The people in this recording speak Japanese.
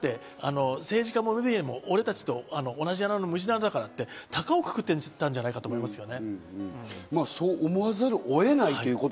だって政治家も俺たちと同じ穴のむじなだからってたかをくくってたんじゃないかと思いますね。